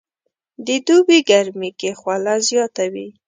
د دوبي ګرمي کې خوله زياته وي